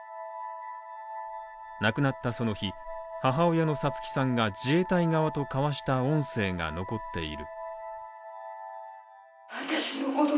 亡くなったその日、母親の五月さんが自衛隊側と交わした音声が残っている。